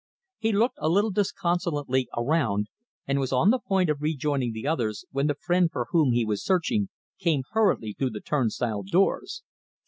He looked a little disconsolately around, and was on the point of rejoining the others when the friend for whom he was searching came hurriedly through the turnstile doors.